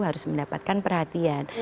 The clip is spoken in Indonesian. harus mendapatkan perhatian